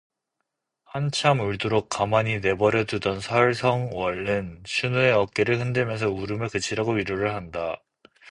한참 울도록 가만히 내버려두던 설성월은 춘우의 어깨를 흔들면서 울음을 그치라고 위로를 한다.